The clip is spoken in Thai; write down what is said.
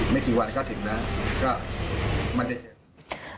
ไม่กี่วันก็ถึงแล้ว